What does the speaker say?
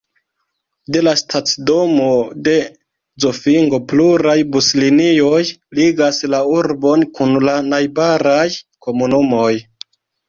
De la stacidomo de Zofingo pluraj buslinioj ligas la urbon kun la najbaraj komunumoj.